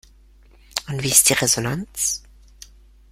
Und wie ist die Resonanz?